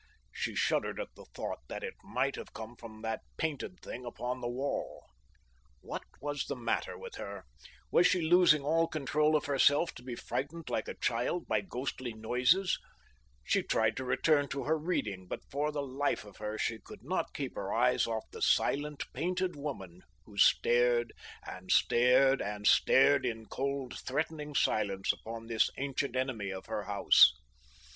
She shuddered at the thought that it might have come from that painted thing upon the wall. What was the matter with her? Was she losing all control of herself to be frightened like a little child by ghostly noises? She tried to return to her reading, but for the life of her she could not keep her eyes off the silent, painted woman who stared and stared and stared in cold, threatening silence upon this ancient enemy of her house.